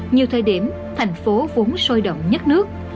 nhiều thời điểm thành phố vốn sôi động nhất nước